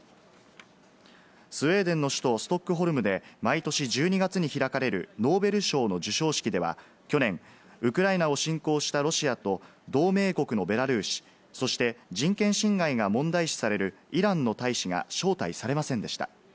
スウェーデンの首都ストックホルムで毎年１２月に開かれるノーベル賞の授賞式では、去年、ウクライナを侵攻したロシアと同盟国のベラルーシ、そして人権侵害が問題視されるイランの大使が招待されませんでした。